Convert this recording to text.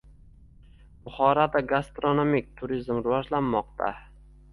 Buxoroda gastronomik turizm rivojlanmoqda